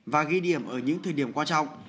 và ghi điểm ở những thời điểm quan trọng